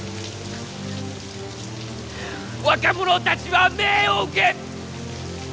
若者たちは命を受け！